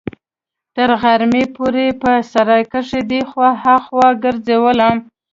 تر غرمې پورې يې په سراى کښې دې خوا ها خوا ګرځولم.